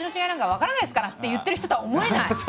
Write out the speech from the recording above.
分からないっすから」と言っている人とは思えない！